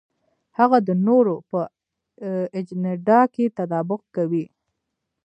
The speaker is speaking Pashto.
هغه د نورو په اجنډا کې تطابق کوي.